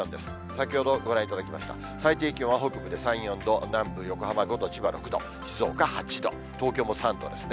先ほど、ご覧いただきました、最低気温は北部で３、４度、南部、横浜５度、千葉６度、静岡８度、東京も３度ですね。